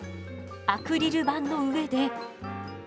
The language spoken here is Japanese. アクリル板の上で。